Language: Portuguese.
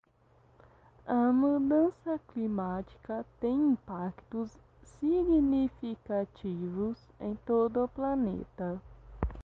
A mudança climática tem impactos significativos em todo o planeta.